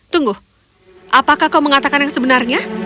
tunggu apakah kau mengatakan yang sebenarnya